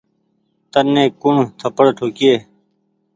تني ڪوڻ ٿپڙ ٺوڪيئي ۔